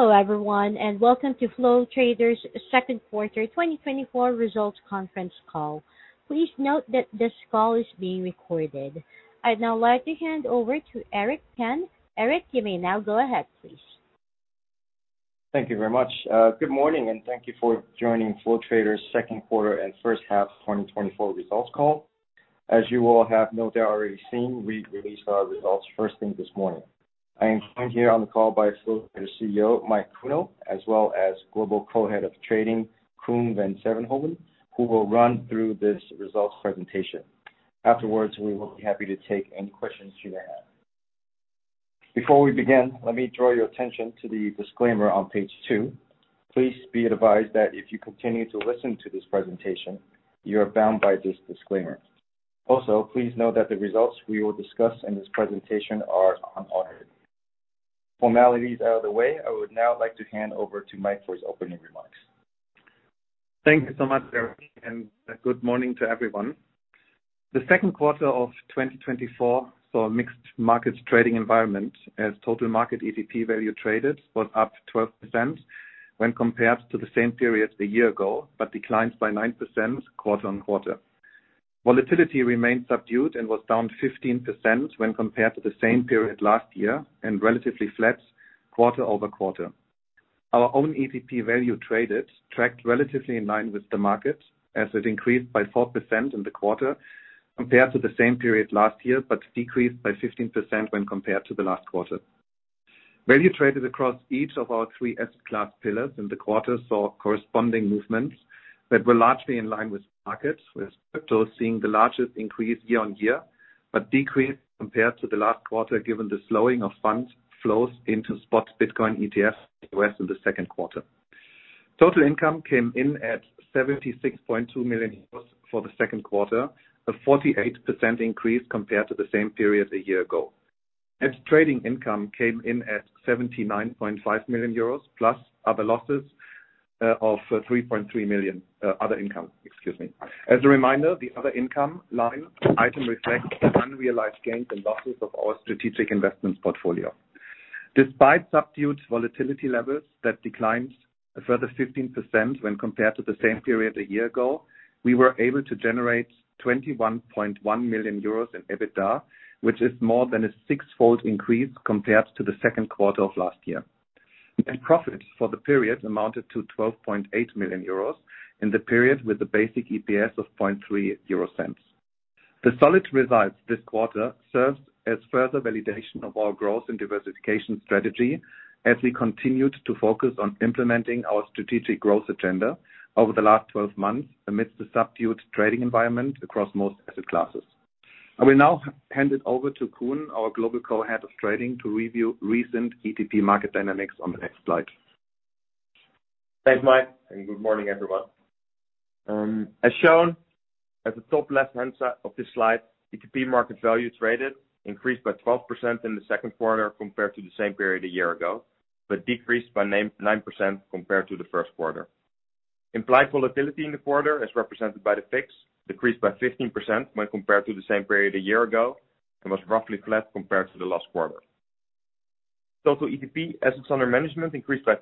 Hello everyone, and welcome to Flow Traders' second quarter 2024 results conference call. Please note that this call is being recorded. I'd now like to hand over to Eric Pan. Eric, you may now go ahead, please. Thank you very much. Good morning, and thank you for joining Flow Traders' second quarter and first half 2024 results call. As you all have no doubt already seen, we released our results first thing this morning. I am joined here on the call by Flow Traders' CEO, Mike Kuehnel, as well as Global Co-Head of Trading, Coen van Sevenhoven, who will run through this results presentation. Afterwards, we will be happy to take any questions you may have. Before we begin, let me draw your attention to the disclaimer on page 2. Please be advised that if you continue to listen to this presentation, you are bound by this disclaimer. Also, please note that the results we will discuss in this presentation are unaudited. Formalities out of the way, I would now like to hand over to Mike for his opening remarks. Thank you so much, Eric, and good morning to everyone. The second quarter of 2024 saw a mixed markets trading environment, as total market ETP value traded was up 12% when compared to the same period a year ago, but declined by 9% quarter-over-quarter. Volatility remained subdued and was down 15% when compared to the same period last year, and relatively flat quarter-over-quarter. Our own ETP value traded, tracked relatively in line with the market, as it increased by 4% in the quarter compared to the same period last year, but decreased by 15% when compared to the last quarter. Value traded across each of our three asset class pillars in the quarter saw corresponding movements that were largely in line with the market, with crypto seeing the largest increase year-on-year, but decreased compared to the last quarter, given the slowing of funds flows into spot Bitcoin ETFs in the U.S. in the second quarter. Total income came in at 76.2 million euros for the second quarter, a 48% increase compared to the same period a year ago. Net trading income came in at 79.5 million euros, plus other losses of 3.3 million, other income, excuse me. As a reminder, the other income line item reflects the unrealized gains and losses of our strategic investments portfolio. Despite subdued volatility levels that declined a further 15% when compared to the same period a year ago, we were able to generate 21.1 million euros in EBITDA, which is more than a six-fold increase compared to the second quarter of last year. Net profit for the period amounted to 12.8 million euros in the period, with a basic EPS of 0.3 euro cents. The solid results this quarter serves as further validation of our growth and diversification strategy, as we continued to focus on implementing our strategic growth agenda over the last twelve months amidst the subdued trading environment across most asset classes. I will now hand it over to Coen, our Global Co-Head of Trading, to review recent ETP market dynamics on the next slide. Thanks, Mike, and good morning, everyone. As shown at the top left-hand side of this slide, ETP market value traded increased by 12% in the second quarter compared to the same period a year ago, but decreased by 9.9% compared to the first quarter. Implied volatility in the quarter, as represented by the VIX, decreased by 15% when compared to the same period a year ago and was roughly flat compared to the last quarter. Total ETP assets under management increased by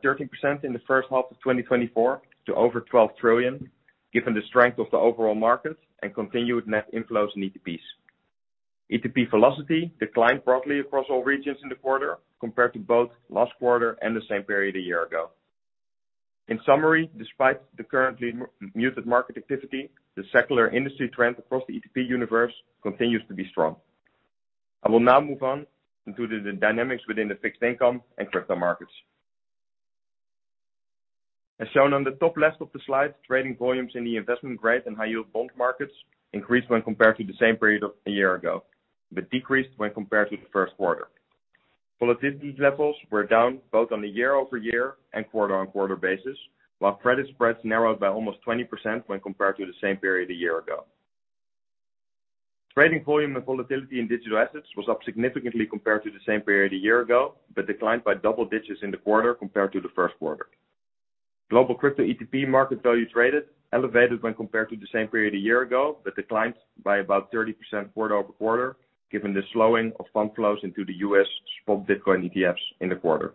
13% in the first half of 2024 to over $12 trillion, given the strength of the overall market and continued net inflows in ETPs. ETP velocity declined broadly across all regions in the quarter, compared to both last quarter and the same period a year ago. In summary, despite the currently muted market activity, the secular industry trend across the ETP universe continues to be strong. I will now move on into the dynamics within the fixed income and crypto markets. As shown on the top left of the slide, trading volumes in the investment grade and high yield bond markets increased when compared to the same period of a year ago, but decreased when compared to the first quarter. Volatility levels were down both on a year-over-year and quarter-on-quarter basis, while credit spreads narrowed by almost 20% when compared to the same period a year ago. Trading volume and volatility in digital assets was up significantly compared to the same period a year ago, but declined by double digits in the quarter compared to the first quarter. Global crypto ETP market value traded elevated when compared to the same period a year ago, but declined by about 30% quarter-over-quarter, given the slowing of fund flows into the U.S. spot Bitcoin ETFs in the quarter.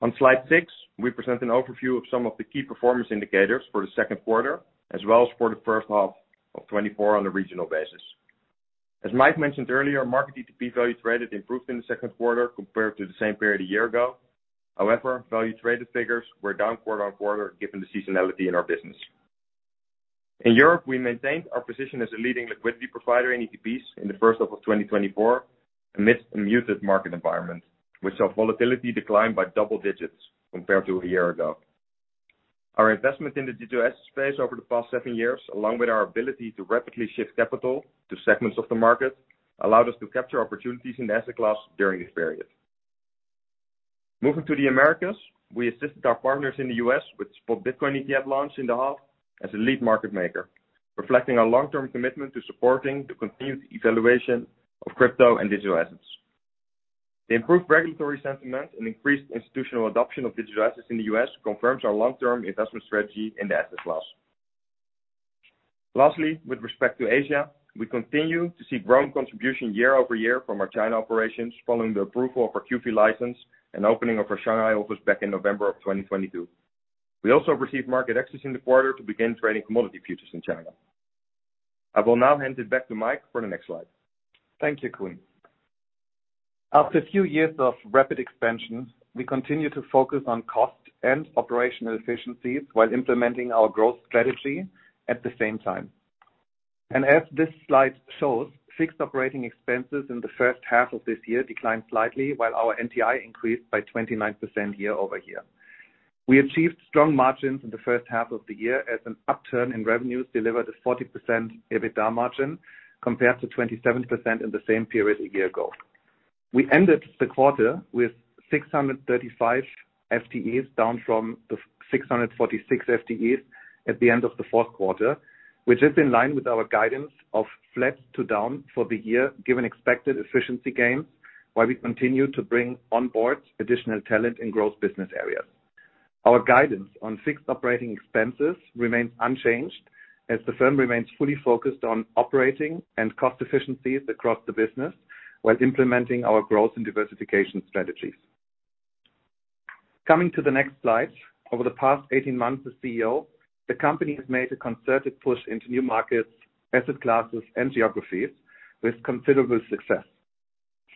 On slide 6, we present an overview of some of the key performance indicators for the second quarter, as well as for the first half of 2024 on a regional basis. As Mike mentioned earlier, market ETP value traded improved in the second quarter compared to the same period a year ago. However, value traded figures were down quarter-on-quarter, given the seasonality in our business. In Europe, we maintained our position as a leading liquidity provider in ETPs in the first half of 2024, amidst a muted market environment, which saw volatility decline by double digits compared to a year ago. Our investment in the digital asset space over the past seven years, along with our ability to rapidly shift capital to segments of the market, allowed us to capture opportunities in the asset class during this period. Moving to the Americas, we assisted our partners in the U.S. with Spot Bitcoin ETF launch in the half as a lead market maker, reflecting our long-term commitment to supporting the continued evaluation of crypto and digital assets. The improved regulatory sentiment and increased institutional adoption of digital assets in the U.S. confirms our long-term investment strategy in the asset class. Lastly, with respect to Asia, we continue to see growing contribution year-over-year from our China operations, following the approval of our QFII license and opening of our Shanghai office back in November 2022. We also received market access in the quarter to begin trading commodity futures in China. I will now hand it back to Mike for the next slide. Thank you, Coen. After a few years of rapid expansion, we continue to focus on cost and operational efficiencies while implementing our growth strategy at the same time. As this slide shows, fixed operating expenses in the first half of this year declined slightly, while our NTI increased by 29% year-over-year. We achieved strong margins in the first half of the year, as an upturn in revenues delivered a 40% EBITDA margin, compared to 27% in the same period a year ago. We ended the quarter with 635 FTEs, down from the 646 FTEs at the end of the fourth quarter, which is in line with our guidance of flat to down for the year, given expected efficiency gains, while we continue to bring on board additional talent in growth business areas. Our guidance on fixed operating expenses remains unchanged, as the firm remains fully focused on operating and cost efficiencies across the business, while implementing our growth and diversification strategies. Coming to the next slide. Over the past 18 months as CEO, the company has made a concerted push into new markets, asset classes, and geographies with considerable success.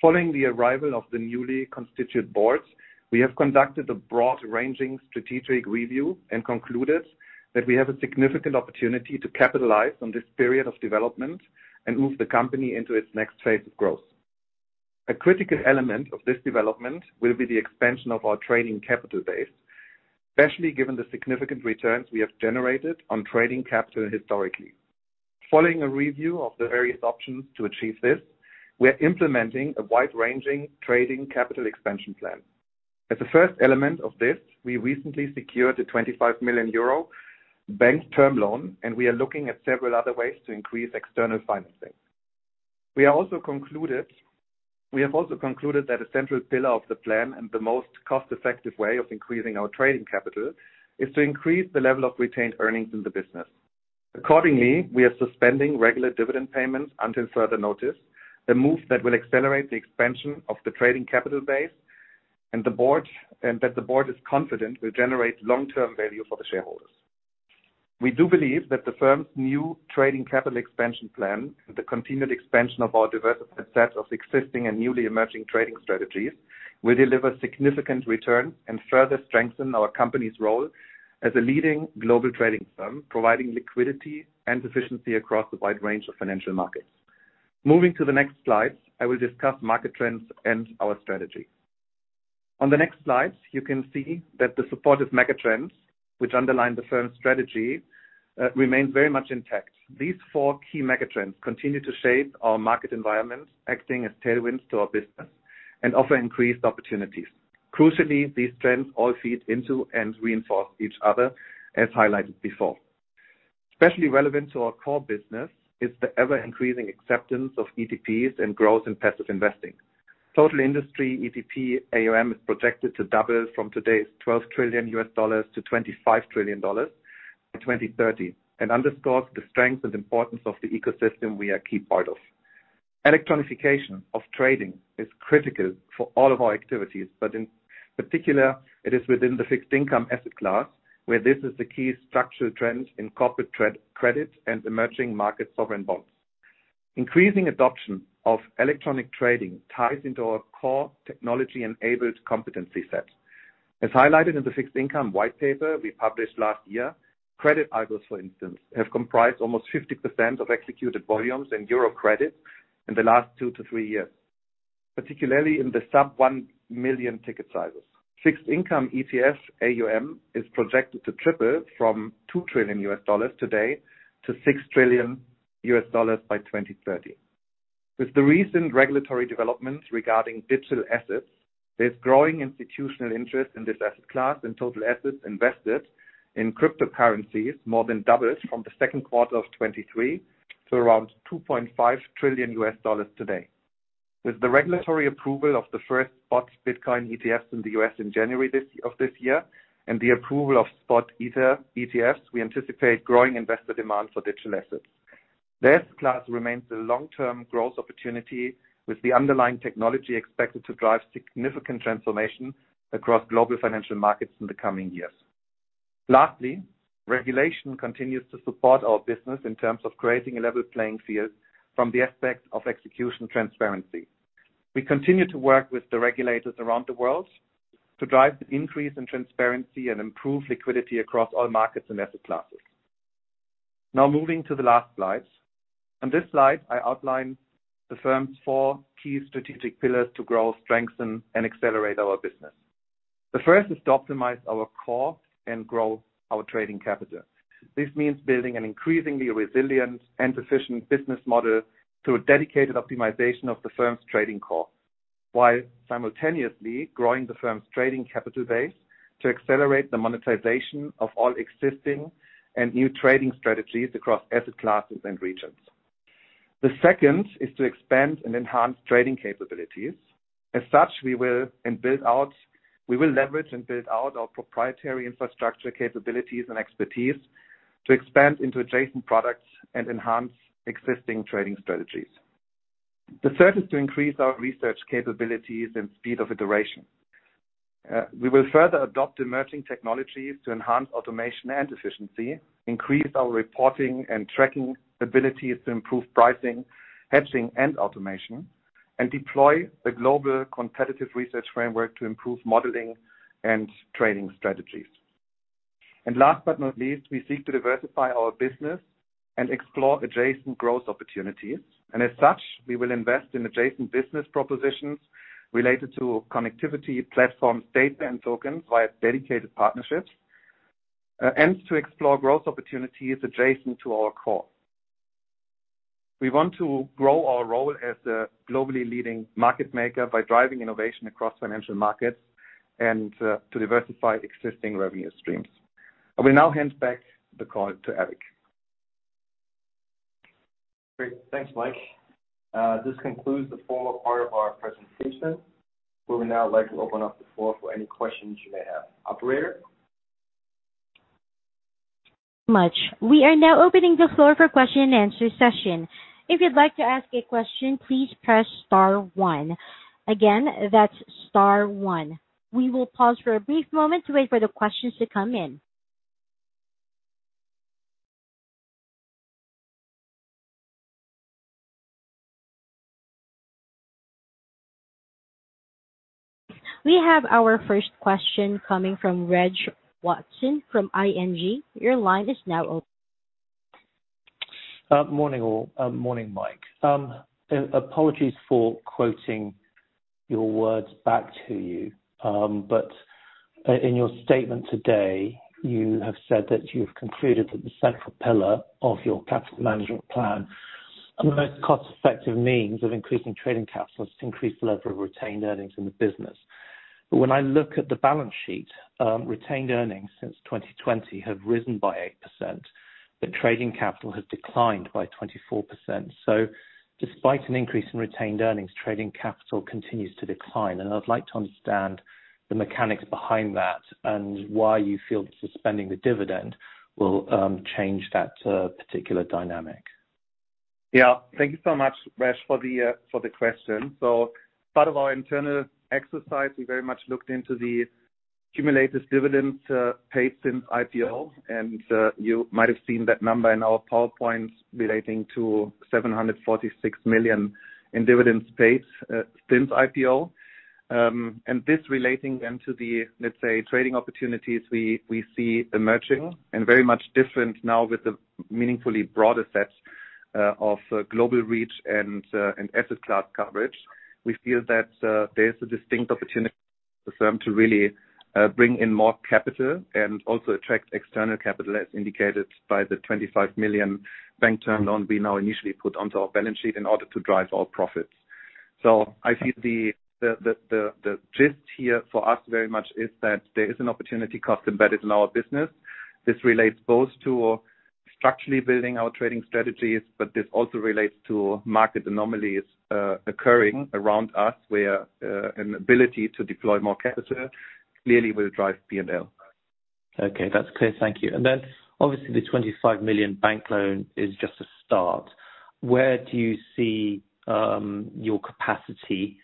Following the arrival of the newly constituted boards, we have conducted a broad-ranging strategic review and concluded that we have a significant opportunity to capitalize on this period of development and move the company into its next phase of growth. A critical element of this development will be the expansion of our trading capital base, especially given the significant returns we have generated on trading capital historically. Following a review of the various options to achieve this, we are implementing a wide-ranging trading capital expansion plan. As the first element of this, we recently secured a 25 million euro bank term loan, and we are looking at several other ways to increase external financing. We have also concluded that a central pillar of the plan and the most cost-effective way of increasing our trading capital, is to increase the level of retained earnings in the business. Accordingly, we are suspending regular dividend payments until further notice, a move that will accelerate the expansion of the trading capital base, and that the board is confident will generate long-term value for the shareholders. We do believe that the firm's new trading capital expansion plan, the continued expansion of our diversified set of existing and newly emerging trading strategies, will deliver significant return and further strengthen our company's role as a leading global trading firm, providing liquidity and efficiency across a wide range of financial markets. Moving to the next slide, I will discuss market trends and our strategy. On the next slide, you can see that the supportive megatrends, which underline the firm's strategy, remains very much intact. These four key megatrends continue to shape our market environment, acting as tailwinds to our business and offer increased opportunities. Crucially, these trends all feed into and reinforce each other, as highlighted before. Especially relevant to our core business, is the ever-increasing acceptance of ETPs and growth in passive investing. Total industry ETP AUM is projected to double from today's $12 trillion to $25 trillion by 2030, and underscores the strength and importance of the ecosystem we are a key part of. Electronification of trading is critical for all of our activities, but in particular, it is within the fixed income asset class, where this is the key structural trend in corporate credit and emerging market sovereign bonds. Increasing adoption of electronic trading ties into our core technology-enabled competency set. As highlighted in the fixed income white paper we published last year, credit algos, for instance, have comprised almost 50% of executed volumes in Euro credit in the last 2-3 years, particularly in the sub-EUR 1 million ticket sizes. Fixed income ETF AUM is projected to triple from $2 trillion today to $6 trillion by 2030. With the recent regulatory developments regarding digital assets, there's growing institutional interest in this asset class, and total assets invested in cryptocurrencies more than doubled from the second quarter of 2023 to around $2.5 trillion today. With the regulatory approval of the first spot Bitcoin ETFs in the US in January of this year, and the approval of spot Ether ETFs, we anticipate growing investor demand for digital assets. This class remains a long-term growth opportunity, with the underlying technology expected to drive significant transformation across global financial markets in the coming years. Lastly, regulation continues to support our business in terms of creating a level playing field from the aspect of execution transparency. We continue to work with the regulators around the world to drive the increase in transparency and improve liquidity across all markets and asset classes. Now, moving to the last slide. On this slide, I outline the firm's four key strategic pillars to grow, strengthen, and accelerate our business. The first is to optimize our costs and grow our trading capital. This means building an increasingly resilient and efficient business model through a dedicated optimization of the firm's trading costs, while simultaneously growing the firm's trading capital base to accelerate the monetization of all existing and new trading strategies across asset classes and regions.... The second is to expand and enhance trading capabilities. As such, we will leverage and build out our proprietary infrastructure capabilities and expertise to expand into adjacent products and enhance existing trading strategies. The third is to increase our research capabilities and speed of iteration. We will further adopt emerging technologies to enhance automation and efficiency, increase our reporting and tracking abilities to improve pricing, hedging, and automation, and deploy a global competitive research framework to improve modeling and training strategies. And last but not least, we seek to diversify our business and explore adjacent growth opportunities, and as such, we will invest in adjacent business propositions related to connectivity, platforms, data, and tokens via dedicated partnerships and to explore growth opportunities adjacent to our core. We want to grow our role as a globally leading market maker by driving innovation across financial markets and to diversify existing revenue streams. I will now hand back the call to Eric. Great. Thanks, Mike. This concludes the formal part of our presentation. We would now like to open up the floor for any questions you may have. Operator? Much. We are now opening the floor for question and answer session. If you'd like to ask a question, please press star one. Again, that's star one. We will pause for a brief moment to wait for the questions to come in. We have our first question coming from Reg Watson from ING. Your line is now open. Morning, all. Morning, Mike. Apologies for quoting your words back to you, but in your statement today, you have said that you've concluded that the central pillar of your capital management plan and the most cost-effective means of increasing trading capital is to increase the level of retained earnings in the business. But when I look at the balance sheet, retained earnings since 2020 have risen by 8%, but trading capital has declined by 24%. So despite an increase in retained earnings, trading capital continues to decline, and I'd like to understand the mechanics behind that, and why you feel suspending the dividend will change that particular dynamic. Yeah. Thank you so much, Reg, for the question. So part of our internal exercise, we very much looked into the cumulative dividends paid since IPO, and you might have seen that number in our PowerPoints relating to 746 million in dividends paid since IPO. And this relating then to the, let's say, trading opportunities we see emerging, and very much different now with the meaningfully broader set of global reach and asset class coverage. We feel that there's a distinct opportunity for them to really bring in more capital and also attract external capital, as indicated by the 25 million bank term loan we now initially put onto our balance sheet in order to drive our profits. So I see the gist here for us very much is that there is an opportunity cost embedded in our business. This relates both to structurally building our trading strategies, but this also relates to market anomalies, occurring around us, where, an ability to deploy more capital clearly will drive P&L. Okay, that's clear. Thank you. And then, obviously, the 25 million bank loan is just a start. Where do you see your capacity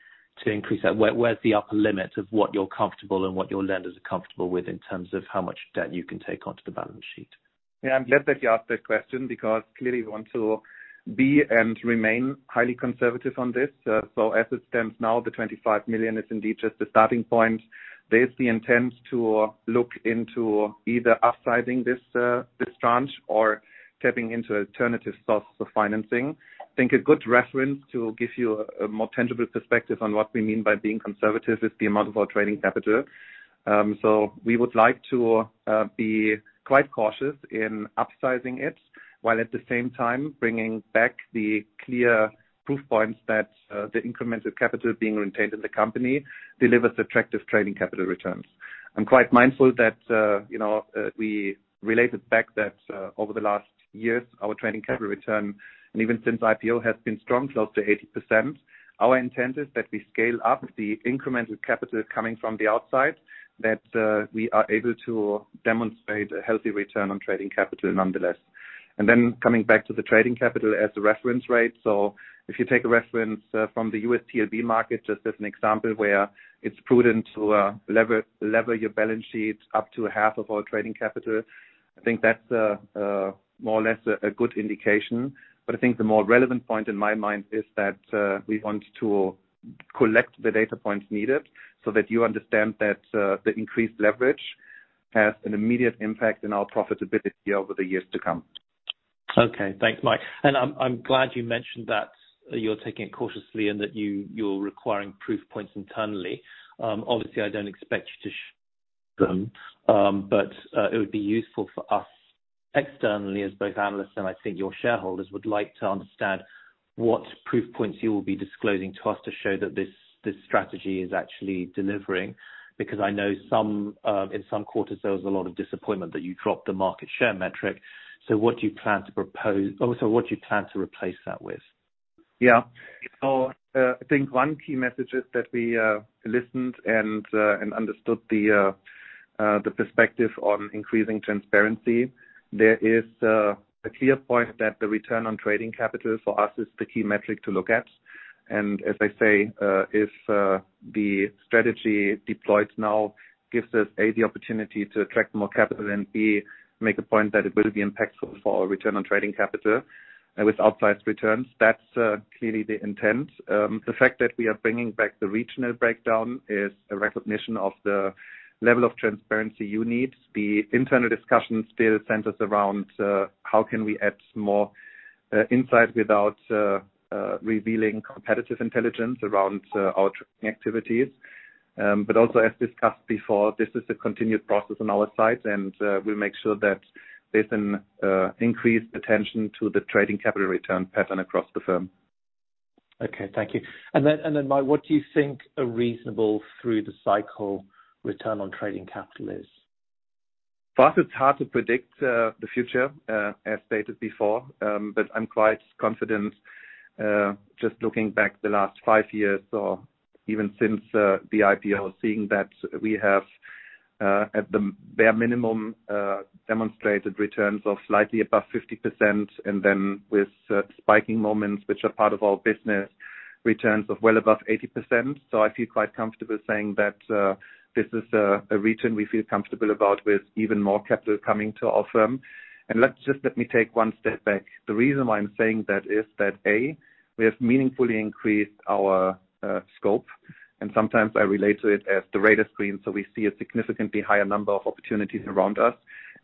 to increase that? Where, where's the upper limit of what you're comfortable and what your lenders are comfortable with in terms of how much debt you can take onto the balance sheet? Yeah, I'm glad that you asked that question, because clearly we want to be and remain highly conservative on this. So as it stands now, the 25 million is indeed just a starting point. There's the intent to look into either upsizing this, this tranche or tapping into alternative sources of financing. I think a good reference to give you a more tangible perspective on what we mean by being conservative is the amount of our trading capital. So we would like to be quite cautious in upsizing it, while at the same time bringing back the clear proof points that the incremental capital being retained in the company delivers attractive trading capital returns. I'm quite mindful that, you know, we related back that, over the last years, our trading capital return, and even since IPO, has been strong, close to 80%. Our intent is that we scale up the incremental capital coming from the outside, that, we are able to demonstrate a healthy return on trading capital nonetheless. And then coming back to the trading capital as a reference rate, so if you take a reference, from the U.S. TLB market, just as an example, where it's prudent to, lever your balance sheet up to half of our trading capital, I think that's, more or less a good indication. I think the more relevant point in my mind is that we want to collect the data points needed, so that you understand that the increased leverage has an immediate impact in our profitability over the years to come. Okay. Thanks, Mike. And I'm glad you mentioned that you're taking it cautiously and that you're requiring proof points internally. Obviously, I don't expect you to sh- but it would be useful for us externally, as both analysts, and I think your shareholders would like to understand what proof points you will be disclosing to us to show that this strategy is actually delivering. Because I know in some quarters, there was a lot of disappointment that you dropped the market share metric. So what do you plan to propose... Oh, sorry, what do you plan to replace that with? Yeah. So, I think one key message is that we listened and understood the perspective on increasing transparency. There is a clear point that the return on trading capital for us is the key metric to look at. And as I say, if the strategy deployed now gives us, A, the opportunity to attract more capital, and B, make a point that it will be impactful for our return on trading capital, with outsized returns, that's clearly the intent. The fact that we are bringing back the regional breakdown is a recognition of the level of transparency you need. The internal discussion still centers around how can we add some more insight without revealing competitive intelligence around our trading activities? But also as discussed before, this is a continued process on our side, and we'll make sure that there's an increased attention to the trading capital return pattern across the firm. Okay, thank you. And then, Mike, what do you think a reasonable through the cycle return on trading capital is? For us, it's hard to predict the future, as stated before. But I'm quite confident, just looking back the last five years or even since the IPO, seeing that we have, at the bare minimum, demonstrated returns of slightly above 50%, and then with spiking moments, which are part of our business, returns of well above 80%. So I feel quite comfortable saying that this is a return we feel comfortable about with even more capital coming to our firm. And let's just, let me take one step back. The reason why I'm saying that is that, A, we have meaningfully increased our scope, and sometimes I relate to it as the radar screen, so we see a significantly higher number of opportunities around us.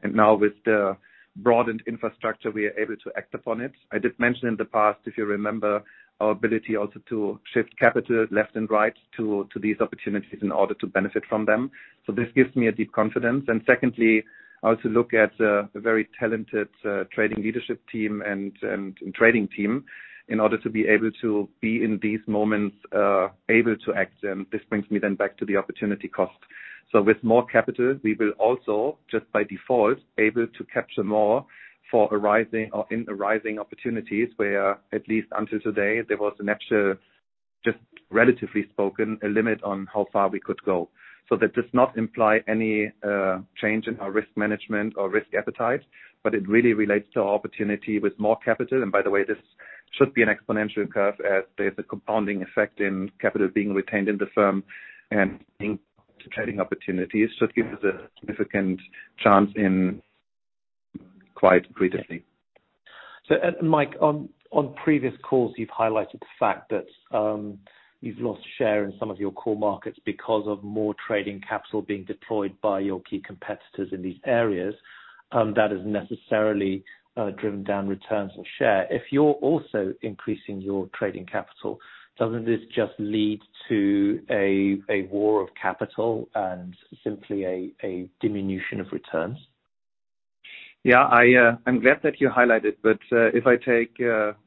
And now with the broadened infrastructure, we are able to act upon it. I did mention in the past, if you remember, our ability also to shift capital left and right to, to these opportunities in order to benefit from them. So this gives me a deep confidence. And secondly, I also look at, the very talented, trading leadership team and, and trading team in order to be able to be in these moments, able to act, and this brings me then back to the opportunity cost. So with more capital, we will also, just by default, able to capture more for arising or in arising opportunities, where at least until today, there was a natural, just relatively spoken, a limit on how far we could go. So that does not imply any change in our risk management or risk appetite, but it really relates to opportunity with more capital. And by the way, this should be an exponential curve as there's a compounding effect in capital being retained in the firm and in trading opportunities. So it gives us a significant chance in quite greatly. So, Mike, on previous calls, you've highlighted the fact that you've lost share in some of your core markets because of more trading capital being deployed by your key competitors in these areas, that has necessarily driven down returns on share. If you're also increasing your trading capital, doesn't this just lead to a war of capital and simply a diminution of returns? Yeah, I, I'm glad that you highlighted, but, if I take,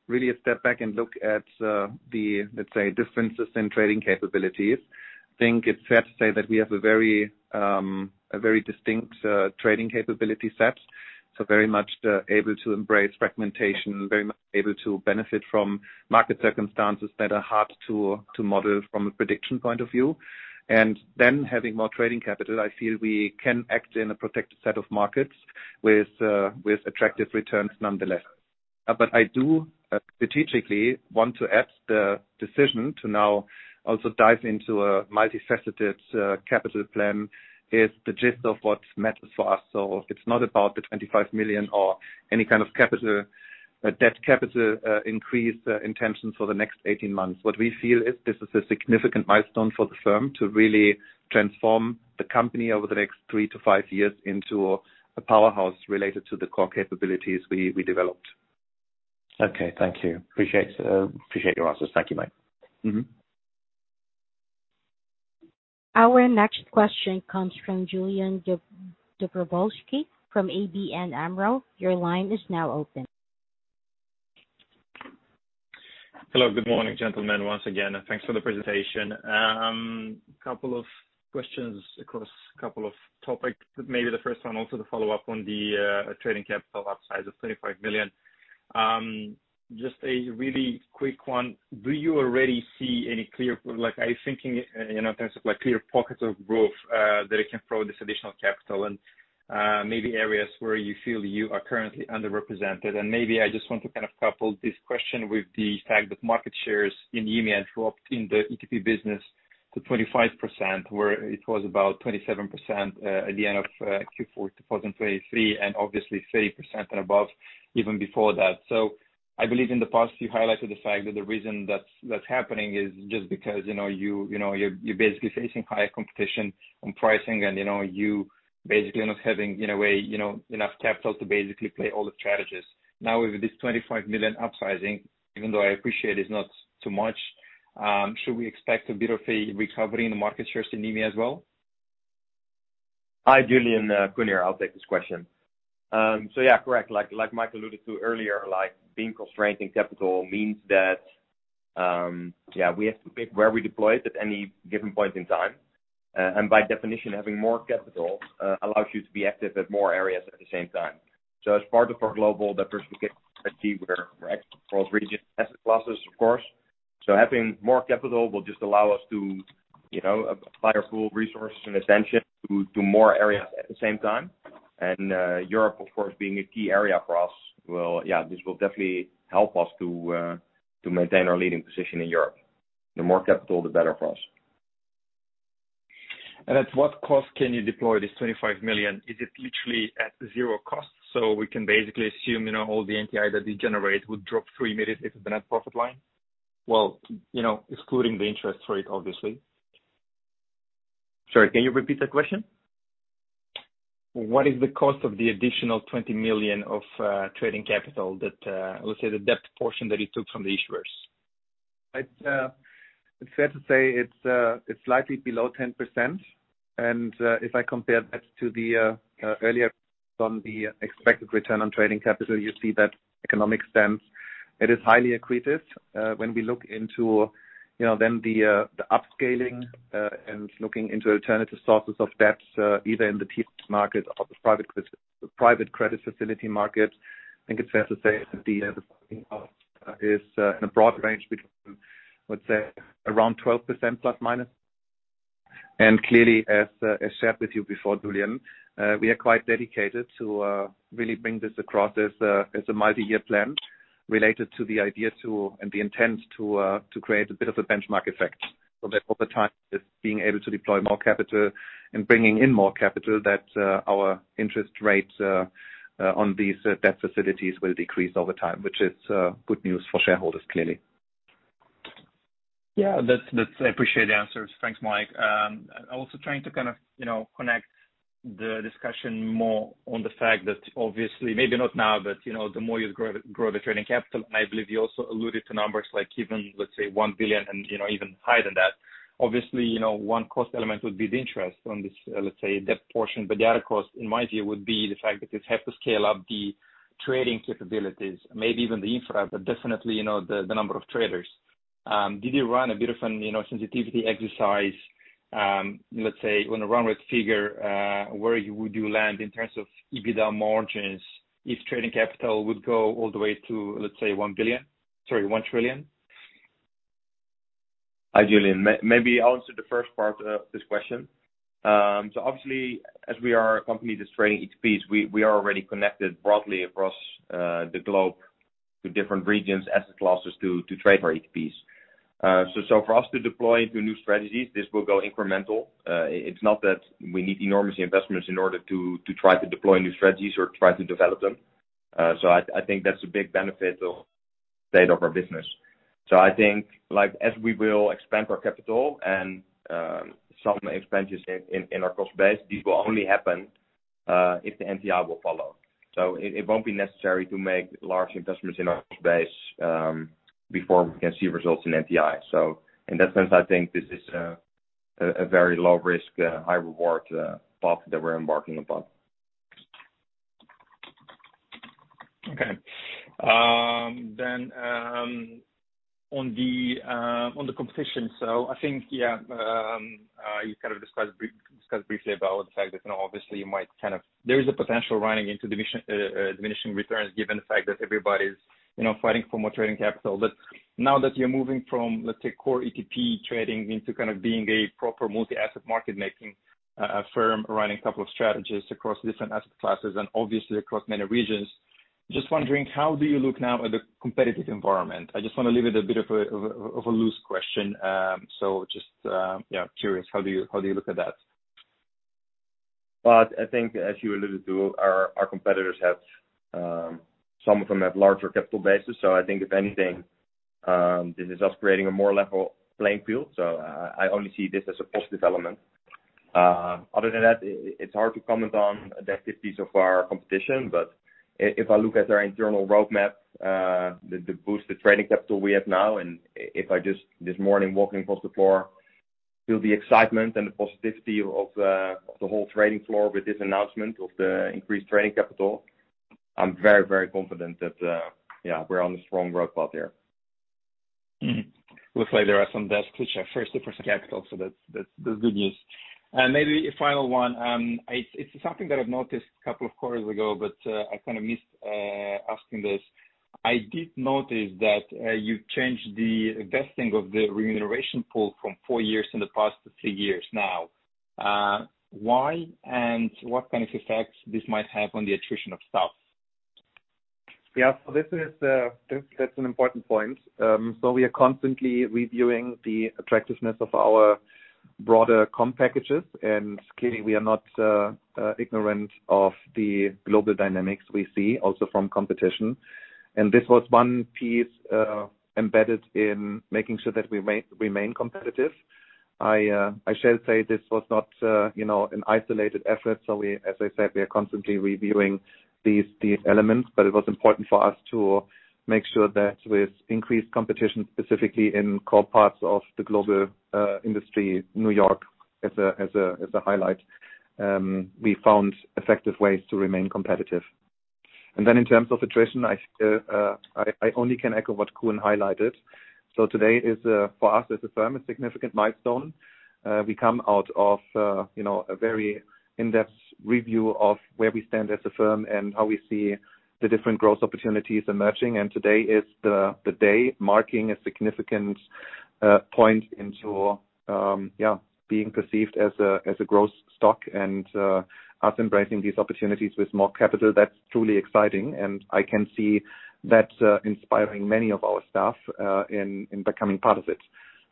really a step back and look at, the, let's say, differences in trading capabilities, I think it's fair to say that we have a very, a very distinct, trading capability set. So very much, able to embrace fragmentation, very much able to benefit from market circumstances that are hard to, to model from a prediction point of view. And then having more trading capital, I feel we can act in a protected set of markets with, with attractive returns nonetheless. But I do strategically want to add the decision to now also dive into a multifaceted, capital plan is the gist of what matters for us. So it's not about the 25 million or any kind of capital, debt capital, increase intention for the next 18 months. What we feel is this is a significant milestone for the firm to really transform the company over the next 3-5 years into a powerhouse related to the core capabilities we developed. Okay, thank you. Appreciate, appreciate your answers. Thank you, Mike. Mm-hmm. Our next question comes from Iulian Dobrovolschi, from ABN AMRO. Your line is now open. Hello, good morning, gentlemen, once again, and thanks for the presentation. Couple of questions across a couple of topics, but maybe the first one, also to follow up on the trading capital outside the 35 million. Just a really quick one: Do you already see any clear... Like, are you thinking in, you know, in terms of like clear pockets of growth, that it can grow this additional capital and, maybe areas where you feel you are currently underrepresented? And maybe I just want to kind of couple this question with the fact that market shares in EMEA dropped in the ETP business to 25%, where it was about 27%, at the end of Q4 2023, and obviously 30% and above, even before that. So I believe in the past, you highlighted the fact that the reason that's happening is just because, you know, you know, you're basically facing higher competition on pricing, and, you know, you basically not having, in a way, you know, enough capital to basically play all the strategies. Now, with this 25 million upsizing, even though I appreciate it's not too much, should we expect a bit of a recovery in the market shares in EMEA as well? Hi, Iulian, Coen. I'll take this question. So yeah, correct. Like, like Mike alluded to earlier, like being constrained in capital means that, yeah, we have to pick where we deploy it at any given point in time... and by definition, having more capital allows you to be active at more areas at the same time. So as part of our global diversification strategy, we're, we're across regions, asset classes, of course. So having more capital will just allow us to, you know, apply our full resource and attention to, to more areas at the same time. And, Europe, of course, being a key area for us, will, yeah, this will definitely help us to, to maintain our leading position in Europe. The more capital, the better for us. At what cost can you deploy this 25 million? Is it literally at zero cost? So we can basically assume, you know, all the NTI that you generate would drop through immediately to the net profit line. Well, you know, excluding the interest rate, obviously. Sorry, can you repeat the question? What is the cost of the additional 20 million of trading capital that, let's say, the debt portion that you took from the issuers? It's fair to say it's slightly below 10%. And if I compare that to the earlier from the expected return on trading capital, you see that economic sense. It is highly accretive. When we look into, you know, then the the upscaling and looking into alternative sources of debts, either in the PM market or the private credit, the private credit facility market, I think it's fair to say that the is in a broad range between, let's say, around 12% plus, minus. And clearly, as shared with you before, Iulian, we are quite dedicated to really bring this across as a multi-year plan related to the idea and the intent to create a bit of a benchmark effect, so that over time, just being able to deploy more capital and bringing in more capital, that our interest rates on these debt facilities will decrease over time, which is good news for shareholders, clearly. Yeah, that's, that's... I appreciate the answers. Thanks, Mike. I'm also trying to kind of, you know, connect the discussion more on the fact that obviously, maybe not now, but, you know, the more you grow, grow the trading capital, I believe you also alluded to numbers like even, let's say, 1 billion and, you know, even higher than that. Obviously, you know, one cost element would be the interest on this, let's say, debt portion, but the other cost, in my view, would be the fact that you have to scale up the trading capabilities, maybe even the infra, but definitely, you know, the, the number of traders. Did you run a bit of an, you know, sensitivity exercise, let's say, on a run rate figure, where would you land in terms of EBITDA margins if trading capital would go all the way to, let's say, 1 billion? Sorry, 1 trillion. Hi, Iulian. Maybe I'll answer the first part of this question. So obviously, as we are a company that's trading ETPs, we are already connected broadly across the globe to different regions, asset classes, to trade our ETPs. So for us to deploy into new strategies, this will go incremental. It's not that we need enormous investments in order to try to deploy new strategies or try to develop them. So I think that's a big benefit of state of our business. So I think, like, as we will expand our capital and some expenses in our cost base, these will only happen if the NTI will follow. So it won't be necessary to make large investments in our base before we can see results in NTI. So in that sense, I think this is a very low risk, high reward, path that we're embarking upon. Okay. Then, on the competition. So I think, yeah, you kind of discussed briefly about the fact that, you know, obviously you might kind of... There is a potential running into diminishing returns, given the fact that everybody's, you know, fighting for more trading capital. But now that you're moving from, let's say, core ETP trading into kind of being a proper multi-asset market-making firm, running a couple of strategies across different asset classes and obviously across many regions, just wondering, how do you look now at the competitive environment? I just want to leave it a bit of a loose question. So just, yeah, curious, how do you look at that? But I think as you alluded to, our competitors, some of them, have larger capital bases. So I think if anything, this is us creating a more level playing field. So I only see this as a positive development. Other than that, it's hard to comment on the activities of our competition. But if I look at our internal roadmap, the boosted trading capital we have now, and if I just this morning, walking across the floor, feel the excitement and the positivity of the whole trading floor with this announcement of the increased trading capital, I'm very, very confident that, yeah, we're on a strong growth path here. Mm-hmm. Looks like there are some desks which are first capital, so that's good news. And maybe a final one. It's something that I've noticed a couple of quarters ago, but I kind of missed asking this. I did notice that you've changed the vesting of the remuneration pool from four years in the past to three years now. Why and what kind of effects this might have on the attrition of staff? Yeah, so this is, that's, that's an important point. So we are constantly reviewing the attractiveness of our broader comp packages, and clearly, we are not ignorant of the global dynamics we see also from competition. And this was one piece embedded in making sure that we remain competitive. I shall say this was not, you know, an isolated effort. So we, as I said, we are constantly reviewing these elements, but it was important for us to make sure that with increased competition, specifically in core parts of the global industry, New York, as a highlight, we found effective ways to remain competitive. And then in terms of attrition, I only can echo what Coen highlighted. So today is, for us as a firm, a significant milestone. We come out of, you know, a very in-depth review of where we stand as a firm and how we see the different growth opportunities emerging. And today is the day marking a significant point into being perceived as a growth stock and us embracing these opportunities with more capital. That's truly exciting, and I can see that inspiring many of our staff in becoming part of it.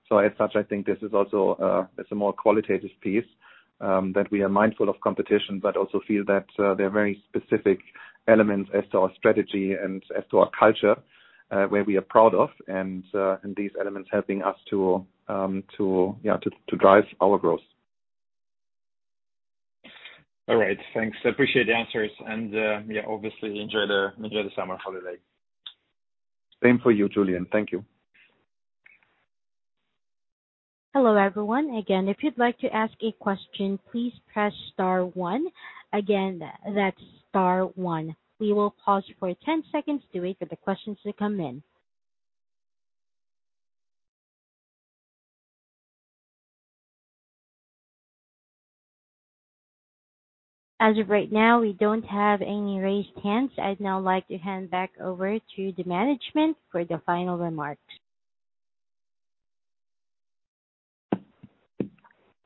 So as such, I think this is also it's a more qualitative piece that we are mindful of competition, but also feel that there are very specific elements as to our strategy and as to our culture where we are proud of, and these elements helping us to to drive our growth. All right, thanks. I appreciate the answers and, yeah, obviously enjoy the summer holiday. Same for you, Iulian. Thank you. Hello, everyone. Again, if you'd like to ask a question, please press star one. Again, that's star one. We will pause for 10 seconds to wait for the questions to come in. As of right now, we don't have any raised hands. I'd now like to hand back over to the management for the final remarks.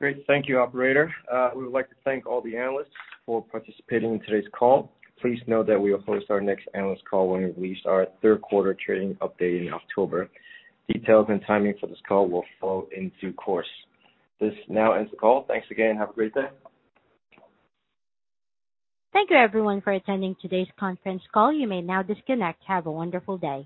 Great. Thank you, operator. We would like to thank all the analysts for participating in today's call. Please note that we will host our next analyst call when we release our third quarter trading update in October. Details and timing for this call will follow in due course. This now ends the call. Thanks again. Have a great day. Thank you, everyone, for attending today's conference call. You may now disconnect. Have a wonderful day.